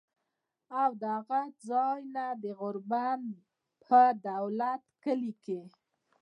او د هغه ځائے نه د غور بند پۀ دولت کلي کښې